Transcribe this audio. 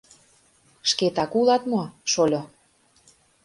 Шкетак улат мо, шольо?